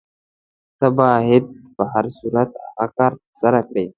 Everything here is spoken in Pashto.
ته باید په هر صورت هغه کار ترسره کړې.